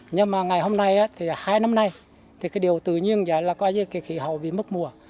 nhưng mà ngày hôm nay hai năm nay điều tự nhiên là khí hậu bị mất mùa